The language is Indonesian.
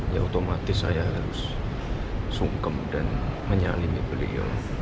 ya otomatis saya harus sungkem dan menyalimi beliau